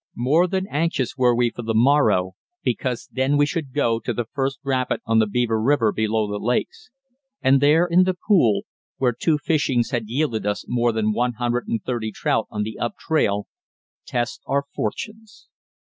More than anxious were we for the morrow, because then we should go to the first rapid on the Beaver River below the lakes, and there in the pool, where two fishings had yielded us more than one hundred and thirty trout on the up trail, test our fortunes.